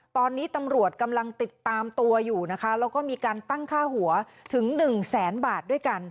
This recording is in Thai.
ตอนนี้ตำรวจกำลังติดตามตัวอยู่นะคะแล้วก็มีการตั้งค่าหัวถึงหนึ่งแสนบาทด้วยกัน